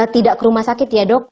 tidak ke rumah sakit ya dok